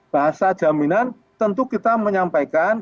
bahasa jaminan tentu kita menyampaikan